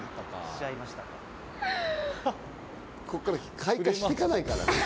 ここから開花していかないからね。